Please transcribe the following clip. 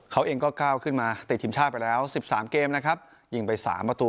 เขาเองก็ก้าวขึ้นมาติดทีมชาติไปแล้ว๑๓เกมนะครับยิงไปสามประตู